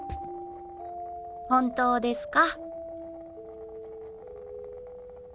本当ですか？